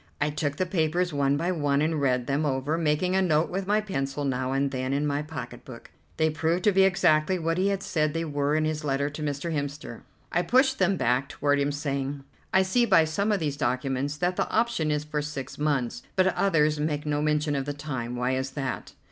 I took the papers one by one and read them over, making a note with my pencil now and then in my pocket book. They proved to be exactly what he had said they were in his letter to Mr. Hemster. I pushed them back toward him again, saying: "I see by some of these documents that the option is for six months, but others make no mention of the time. Why is that?"